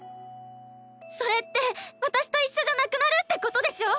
それって私と一緒じゃなくなるってことでしょ